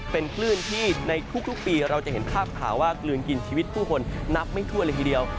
เป็นคลื่นที่ในทุกปีเราจะเห็นภาพข่าวว่ากลืนกินชีวิตผู้คนนับไม่ทั่วเลยทีเดียว